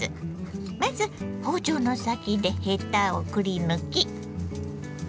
まず包丁の先でヘタをくり抜き。